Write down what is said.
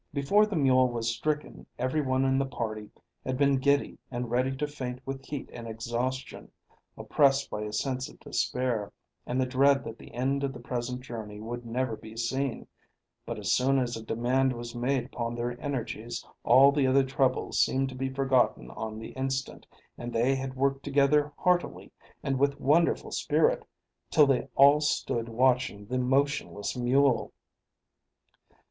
Before the mule was stricken every one in the party had been giddy and ready to faint with heat and exhaustion, oppressed by a sense of despair and the dread that the end of the present journey would never be seen; but as soon as a demand was made upon their energies, all the other troubles seemed to be forgotten on the instant, and they worked together heartily and with wonderful spirit, till they all stood watching the motionless mule.